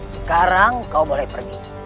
sekarang kau boleh pergi